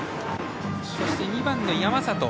そして２番、山里。